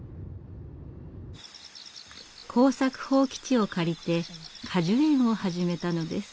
耕作放棄地を借りて果樹園を始めたのです。